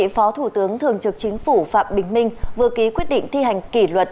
phó thủ tướng thường trực chính phủ phạm bình minh vừa ký quyết định thi hành kỷ luật